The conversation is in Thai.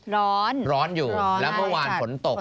ร้อนร้อนอยู่แล้วเมื่อวานฝนตก